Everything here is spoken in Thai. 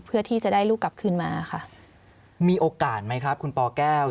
เพื่อที่จะได้ลูกกลับขึ้นมาค่ะมีโอกาสไหมครับคุณปแก้ว